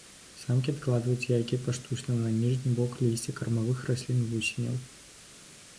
Самкі адкладаюць яйкі паштучна на ніжні бок лісця кармавых раслін вусеняў.